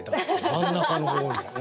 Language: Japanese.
真ん中の方に。